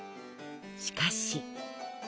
しかし。